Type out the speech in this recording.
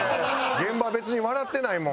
現場別に笑ってないもん